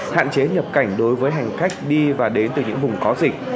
hạn chế nhập cảnh đối với hành khách đi và đến từ những vùng có dịch